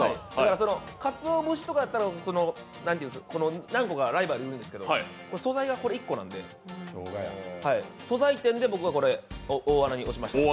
そのかつお節とかやったら何個かライバルがいるんですけど素材がこれ１個なんで素材点で大穴に推しました。